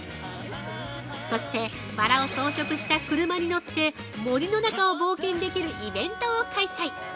そしてバラを装飾した車に乗って森の中を冒険できるイベントを開催！